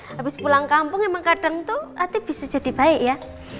habis pulang kampung emang kadang tuh ati bisa jadi baik ya